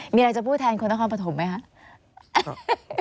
มีอะไรจะพูดแทนคนนครปฐมไหมคะ